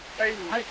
はい。